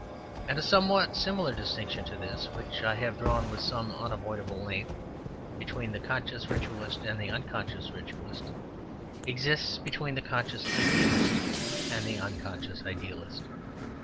And a somewhat similar distinction to this which I have drawn with some unavoidable length, between the conscious ritualist and the unconscious ritualist, exists between the conscious idealist and the unconscious idealist.